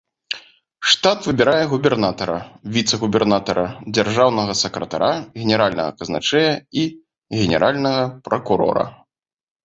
Штат выбірае губернатара, віцэ-губернатара, дзяржаўнага сакратара, генеральнага казначэя і генеральнага пракурора.